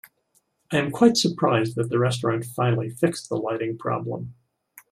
I am quite surprised that the restaurant finally fixed the lighting problem.